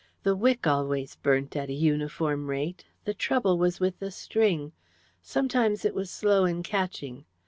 The wick always burnt at a uniform rate; the trouble was with the string. Sometimes it was slow in catching.